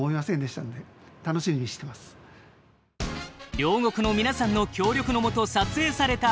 両国の皆さんの協力の下撮影された「ひらり」。